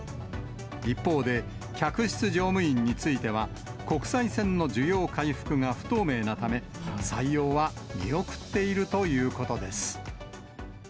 一方で、客室乗務員については、国際線の需要回復が不透明なため、採用は見送っているということです。